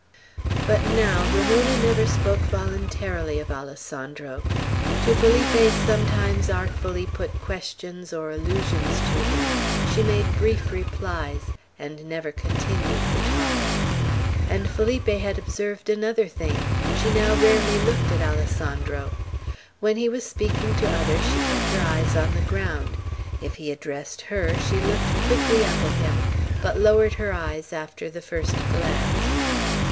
But now, Ramona never spoke voluntarily of Alessandro. To Felipe's sometimes artfully put questions or allusions to him, she made brief replies, and never continued the topic; and Felipe had observed another thing: she now rarely looked at Alessandro. When he was speaking to others she kept her eyes on the ground. If he addressed her, she looked quickly up at him, but lowered her eyes after the first glance.